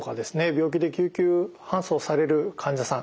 病気で救急搬送される患者さん